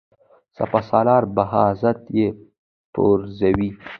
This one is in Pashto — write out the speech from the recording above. سپه سالار بهزاد یې پرزوي.